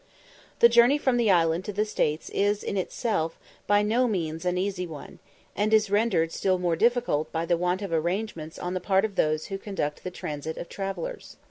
The journey from the island to the States is in itself by no means an easy one, and is rendered still more difficult by the want of arrangement on the part of those who conduct the transit of travellers.